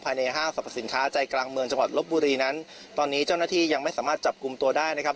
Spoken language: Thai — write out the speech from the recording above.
ห้างสรรพสินค้าใจกลางเมืองจังหวัดลบบุรีนั้นตอนนี้เจ้าหน้าที่ยังไม่สามารถจับกลุ่มตัวได้นะครับ